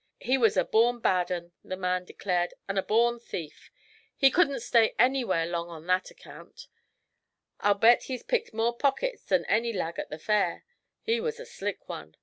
'He wuz a born bad un,' the man declared, 'an' a born thief. He couldn't stay anywhere long on that ercount. I'll bet he's picked more pockets than any lag at the Fair. He was a slick one.